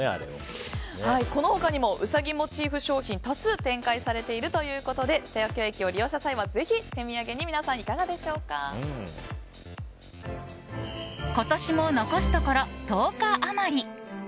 このほかにもウサギモチーフ商品多数展開されているということで東京駅を利用した際はぜひ手土産に皆さん今年も残すところ１０日余り。